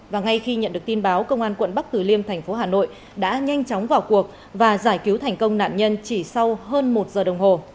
và ngay khi nhận được tin báo công an quận bắc tử liêm thành phố hà nội đã nhanh chóng vào cuộc và giải cứu thành công nạn nhân chỉ sau hơn một giờ đồng hồ